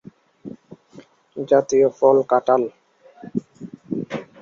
খুব কম সময়ই ইংল্যান্ডের প্রথম পছন্দের খেলোয়াড়ের মর্যাদা পেয়েছিলেন তিনি।